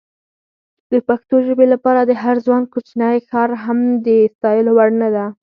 د پښتو ژبې لپاره د هر ځوان کوچنی کار هم د ستایلو وړ ده.